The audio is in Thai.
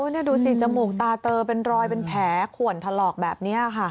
นี่ดูสิจมูกตาเตอเป็นรอยเป็นแผลขวนถลอกแบบนี้ค่ะ